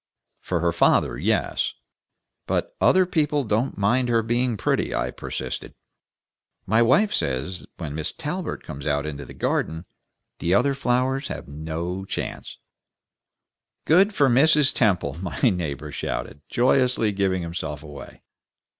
"For her father, yes, but other people don't mind her being pretty," I persisted. "My wife says when Miss Talbert comes out into the garden, the other flowers have no chance." "Good for Mrs. Temple!" my neighbor shouted, joyously giving himself away.